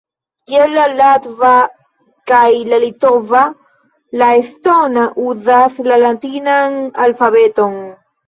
Kiel la latva kaj la litova, la estona uzas la latinan alfabeton.